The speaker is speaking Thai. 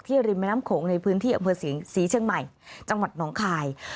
ริมแม่น้ำโขงในพื้นที่อำเภอศรีเชียงใหม่จังหวัดน้องคาย